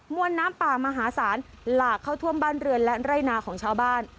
วนน้ำป่ามหาศาลหลากเข้าท่วมบ้านเรือนและไร่นาของชาวบ้าน